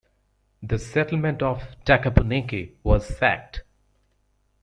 The settlement of Takapuneke was sacked.